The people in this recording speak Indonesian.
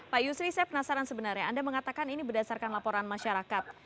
pak yusri saya penasaran sebenarnya anda mengatakan ini berdasarkan laporan masyarakat